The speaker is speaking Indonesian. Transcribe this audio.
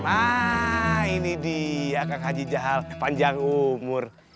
nah ini dia kang haji jaha panjang umur